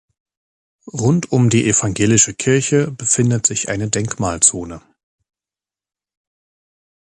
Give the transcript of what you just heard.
Rund um die evangelische Kirche befindet sich eine Denkmalzone.